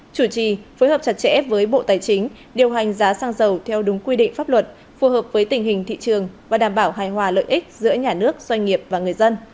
chủ trì phối hợp chặt chẽ với bộ tài chính điều hành giá xăng dầu theo đúng quy định pháp luật phù hợp với tình hình thị trường và đảm bảo hài hòa lợi ích giữa nhà nước doanh nghiệp và người dân